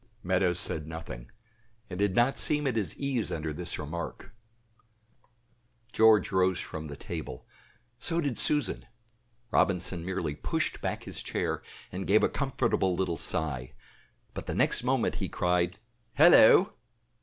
Meadows said nothing, and did not seem at his ease under this remark. George rose from the table; so did Susan; Robinson merely pushed back his chair and gave a comfortable little sigh, but the next moment he cried "Hallo!"